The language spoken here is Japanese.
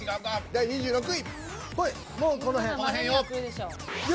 第２５位。